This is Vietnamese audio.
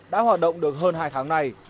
đã hoạt động được hơn hai tháng nay